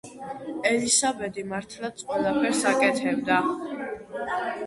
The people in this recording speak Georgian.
ელისაბედი მართლაც ყველაფერს აკეთებდა.